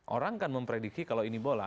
orang kan memprediksi kalau ini bola